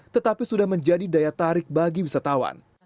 tetapi sudah menjadi daya tarik bagi wisatawan